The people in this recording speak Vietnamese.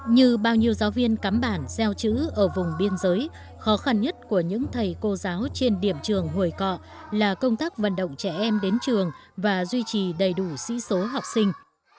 như bao nhiêu giáo viên cắm bản gieo chữ ở vùng biên giới khó khăn nhất của những thầy cô giáo trên điểm trường hồi cọ là công tác vận động trẻ em đến trường và duy trì đầy đủ sĩ số học sinh